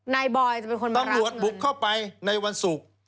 ในบอยจะเป็นคนมารับเงินตำรวจบุกเข้าไปในวันศุกร์